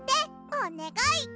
おねがい！